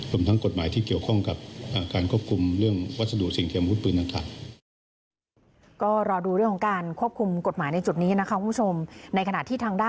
รวมทั้งกฎหมายที่เกี่ยวข้องกับการควบคุมเรื่องวัสดุสิ่งเทียมวุธปืนต่าง